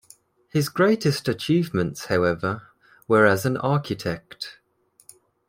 His greatest achievements, however, were as an architect.